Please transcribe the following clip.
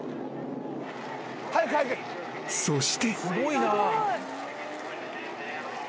［そして］